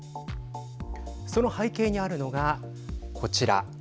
その背景にあるのがこちら。